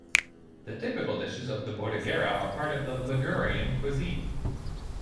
The typical dishes of Bordighera are part of the Ligurian cuisine.